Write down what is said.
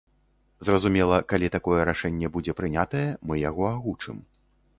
Зразумела, калі такое рашэнне будзе прынятае, мы яго агучым.